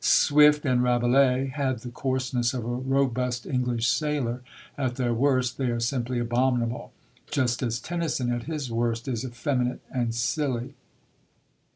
Swift and Rabelais had the coarseness of a robust English sailor; at their worst they are simply abominable, just as Tennyson at his worst is effeminate and silly.